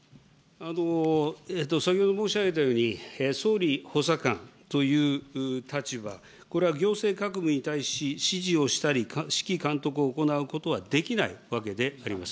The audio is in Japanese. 先ほど申し上げたように、総理補佐官という立場、これは行政各部に対し指示をしたり、指揮監督を行うことはできないわけであります。